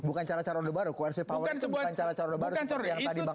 bukan cara cara orde baru quersif power itu bukan cara cara baru seperti yang tadi bang